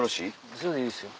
それでいいですよ。